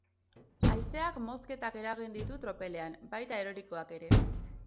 Haizeak mozketak eragin ditu tropelean, baita erorikoak ere.